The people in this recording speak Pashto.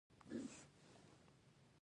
د څلوېښت ستنو ماڼۍ مشهوره ده.